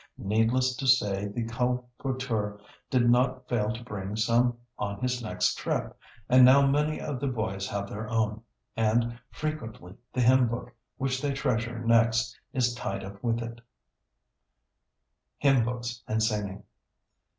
Needless to say, the colporteur did not fail to bring some on his next trip, and now many of the boys have their own, and frequently the hymnbook which they treasure next is tied up with it. [Sidenote: Hymnbooks and singing.